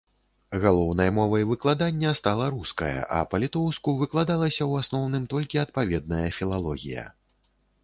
Галоўнай мовай выкладання стала руская, а па-літоўску выкладалася ў асноўным толькі адпаведная філалогія.